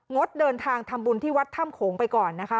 ดเดินทางทำบุญที่วัดถ้ำโขงไปก่อนนะคะ